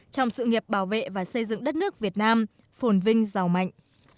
trong sự nghiệp bảo vệ và xây dựng đất nước việt nam phồn vinh giàu mạnh